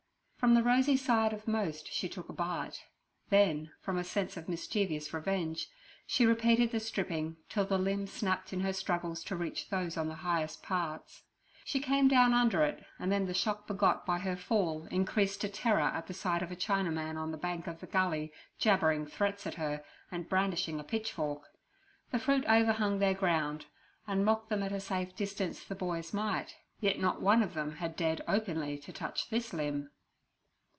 From the rosy side of most she took a bite; then, from a sense of mischievous revenge, she repeated the stripping, till the limb snapped in her struggles to reach those on the highest parts. She came down under it, and then the shock begot by her fall increased to terror at the sight of a China man on the bank of the gully jabbering threats at her, and brandishing a pitchfork. The fruit overhung their ground, and mock them at a safe distance the boys might, yet not one of them had dared openly to touch this limb.